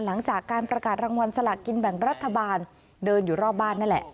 หลังจากการประกาศรางวัลสลากกินแบ่งรัฐบาลเดินอยู่รอบบ้านนั่นแหละ